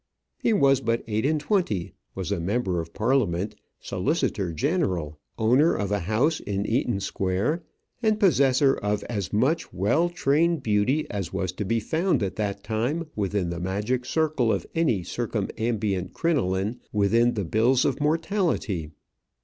He was but eight and twenty, was a member of Parliament, solicitor general, owner of a house in Eaton Square, and possessor of as much well trained beauty as was to be found at that time within the magic circle of any circumambient crinoline within the bills of mortality.